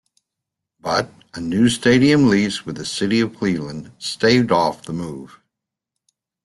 But a new stadium lease with the city of Cleveland staved off the move.